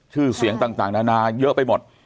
ชื่อเสียงต่างนานาเยอะไปหมด